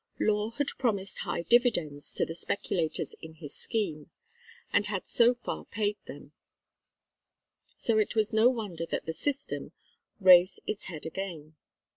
Law had promised high dividends to the speculators in his scheme, and had so far paid them; so it was no wonder that "The System" raised its head again.